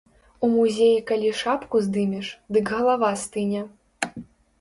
У музеі калі шапку здымеш, дык галава стыне.